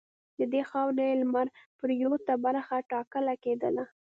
د دې خاورې لمرپرېواته برخه ټاکله کېدله.